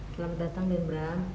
selamat datang den bram